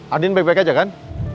andi back back aja kan